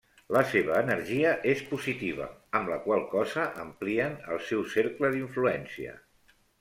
La seva energia és positiva, amb la qual cosa amplien el seu cercle d'influència.